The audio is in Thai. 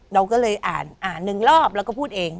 เราก็เลยอ่าน๑รอบแล้วก็พูดเอง